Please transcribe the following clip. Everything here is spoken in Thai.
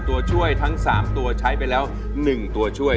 ตัวช่วยทั้ง๓ตัวใช้ไปแล้ว๑ตัวช่วย